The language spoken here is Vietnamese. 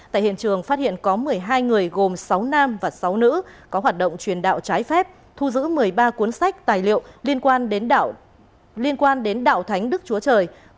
tại hiện trường phát hiện có một mươi hai người gồm sáu nam và sáu nữ có hoạt động truyền đạo trái phép thu giữ một mươi ba cuốn sách tài liệu liên quan đến liên quan đến đạo thánh đức chúa trời